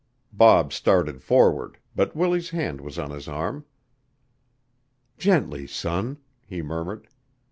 Bob started forward, but Willie's hand was on his arm. "Gently, son," he murmured.